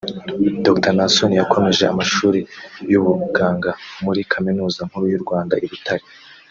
Dr Naasson yakomeje amashuri y’ubuganga muri Kaminuza Nkuru y’u Rwanda i Butare